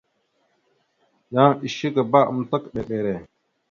Yan eshekabámber mbere.